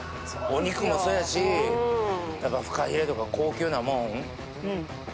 お肉もそうやしやっぱフカヒレとか高級なもん。